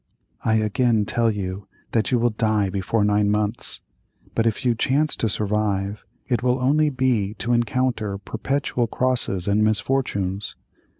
I again tell you that you will die before nine months; but if you chance to survive, it will only be to encounter perpetual crosses and misfortunes.